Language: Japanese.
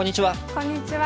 こんにちは。